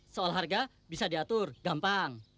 soal harga bisa diatur gampang